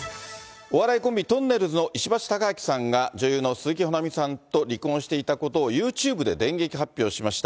お笑いコンビ、とんねるずの石橋貴明さんが、女優の鈴木保奈美さんと離婚していたことを、ユーチューブで電撃発表しました。